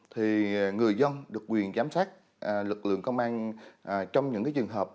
thì người dân được quyền giám sát lực lượng công an trong những trường hợp